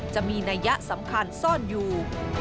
จะมีนัยยะสำคัญซ่อนอยู่